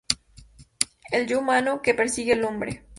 el Yo Humano que persigue al Hombre